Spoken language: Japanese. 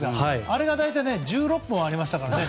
あれが大体１６本ありましたからね。